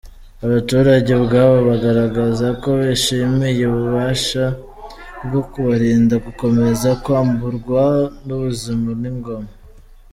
Abaturage ubwabo bagaragaza ko bishimiye ubufasha bwo kubarinda gukomeza kwamburwa ubuzima n’ingona.